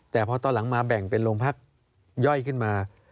แต่พอตอนหลังมาแบ่งเป็นโรงพักย่อยขึ้นมา